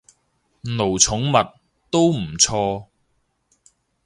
奴寵物，都唔錯